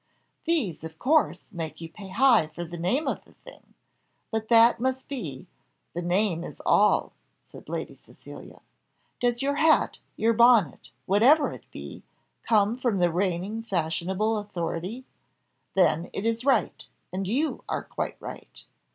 "These, of course, make you pay high for the name of the thing; but that must be. The name is all," said Lady Cecilia. "Does your hat, your bonnet, whatever it be, come from the reigning fashionable authority? then it is right, and you are quite right.